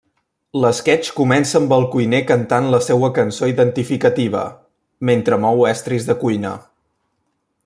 L'esquetx comença amb el cuiner cantant la seua cançó identificativa, mentre mou estris de cuina.